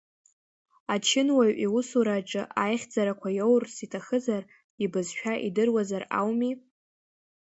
Ачынуаҩ иусура аҿы аихьӡарақәа иоурц иҭахызар, ибызшәа идыруазар ауми?!